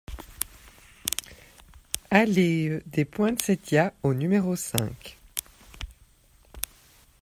Allée des Poinsettias au numéro cinq